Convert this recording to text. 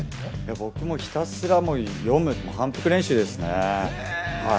僕ひたすら読むという反復練習ですね。